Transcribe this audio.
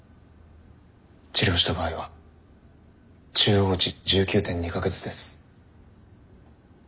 治療した場合は中央値１９．２か月です。